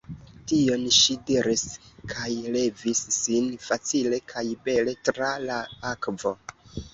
Tion ŝi diris kaj levis sin facile kaj bele tra la akvo.